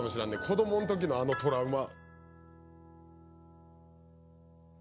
こどもの時のあのトラウマ